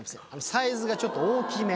サイズがちょっと大きめ。